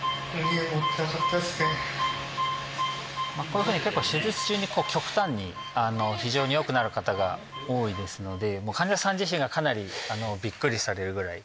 こういうふうに手術中に極端に非常に良くなる方が多いですので患者さん自身がかなりビックリされるぐらい。